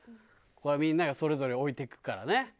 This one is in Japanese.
みんながそれぞれ置いていくからね。